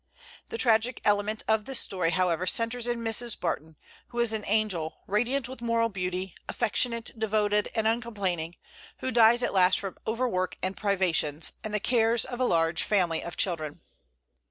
The tragic element of the story, however, centres in Mrs. Barton, who is an angel, radiant with moral beauty, affectionate, devoted, and uncomplaining, who dies at last from overwork and privations, and the cares of a large family of children.